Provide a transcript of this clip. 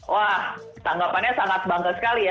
wah tanggapannya sangat bangga sekali ya